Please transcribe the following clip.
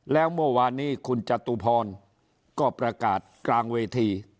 แล้วเมื่อวานนี้คุณจตุพรก็ประกาศกลางเวที